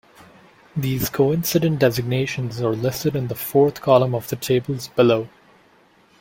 These coincident designations are listed in the fourth column of the tables below.